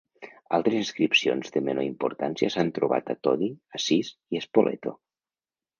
Altres inscripcions de menor importància s'han trobat a Todi, Assís i Spoleto.